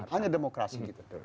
hanya demokrasi gitu